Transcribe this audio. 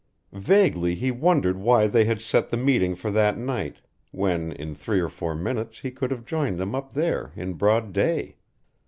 Vaguely he wondered why they had set the meeting for that night, when in three or four minutes he could have joined them up there in broad day.